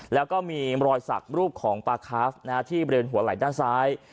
แล้วก็มีมรอยสักรูปของป้าคาร์ฟที่เหลือเป็นหัวไหล่ด้านซ้าย